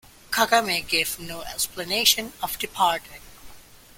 Kagame gave no explanation of the pardon.